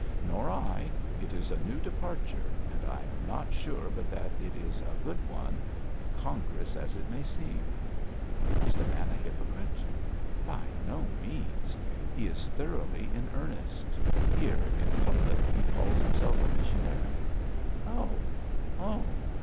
'Nor I; it is a new departure, and I am not sure but that it is a good one, incongruous as it may seem.' 'Is the man a hypocrite?' 'By no means. He is thoroughly in earnest. Here, in public, he calls himself a missionary.' 'Oh! oh!